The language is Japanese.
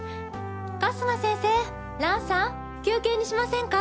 春日先生蘭さん休憩にしませんか？